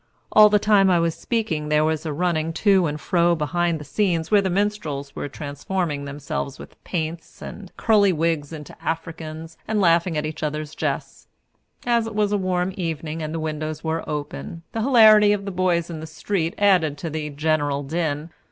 All the time I was speaking there was a running to and fro behind the scenes, where the minstrels were transforming themselves with paints and curly wigs into Africans, and laughing at each other's jests. As it was a warm evening, and the windows were open, the hilarity of the boys in the street added to the general din.